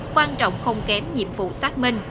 quan trọng không kém nhiệm vụ xác minh